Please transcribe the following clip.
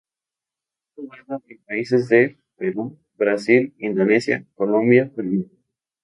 Ha jugado en países de Perú, Brasil, Indonesia, Colombia, Panamá.